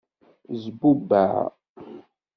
Zbubeɛ.